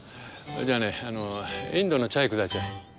じゃあねインドのチャイくだチャイ。